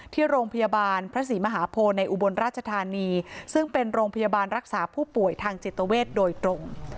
ที่โรงพยาบาลพระศรีมหาโพในอุบลราชธานีซึ่งเป็นโรงพยาบาลรักษาผู้ป่วยทางจิตเวทโดยตรง